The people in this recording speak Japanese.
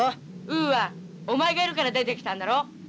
ウーはお前がいるから出てきたんだろ。